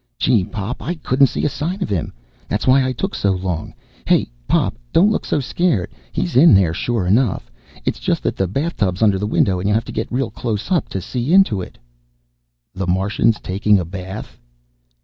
"Gee, Pop, I couldn't see a sign of him. That's why I took so long. Hey, Pop, don't look so scared. He's in there, sure enough. It's just that the bathtub's under the window and you have to get real close up to see into it." "The Martian's taking a bath?"